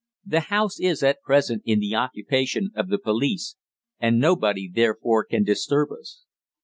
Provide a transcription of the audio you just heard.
The house is, at present, in the occupation of the police, and nobody therefore can disturb us."